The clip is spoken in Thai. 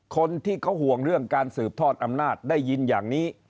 คนที่เขาห่วงเรื่องการสืบทอดอำนาจได้ยินอย่างนี้